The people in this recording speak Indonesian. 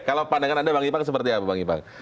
kalau pandangan anda seperti apa